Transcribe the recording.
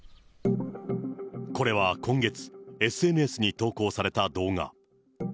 これは今月、ＳＮＳに投稿された動画。